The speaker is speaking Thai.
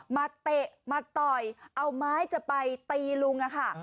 เตะมาต่อยเอาไม้จะไปตีลุงอะค่ะ